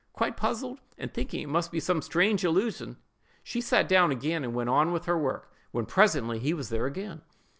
Quite puzzled, and thinking it must be some strange illusion, she sat down again and went on with her work, when, presently, he was there again.